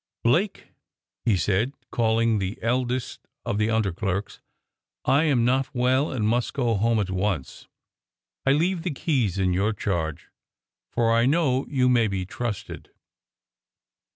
"Blake," he said, calling the eldest of the under clerks, "I am not well, and must go home at once. I leave the keys in your charge, for I know you may be trusted."